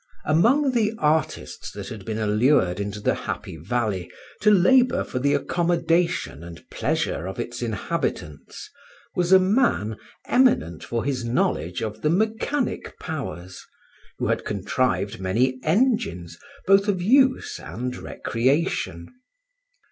AMONG the artists that had been allured into the Happy Valley, to labour for the accommodation and pleasure of its inhabitants, was a man eminent for his knowledge of the mechanic powers, who had contrived many engines both of use and recreation.